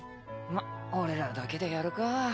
まっ俺らだけでやるか。